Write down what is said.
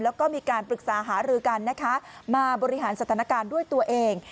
แล้วก็มีการปรึกษาหารือกันนะคะมาบริหารสถานการณ์ด้วยตัวเอง